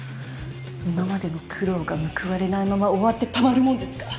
今までの苦労が報われないまま終わってたまるもんですか！